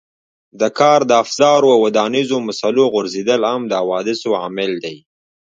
د کار د افزارو او ودانیزو مسالو غورځېدل هم د حوادثو عامل دی.